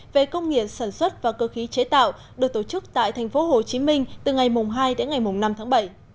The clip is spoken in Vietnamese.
về công nghệ sản xuất và cơ khí chế tạo được tổ chức tại tp hcm từ ngày hai đến ngày năm tháng bảy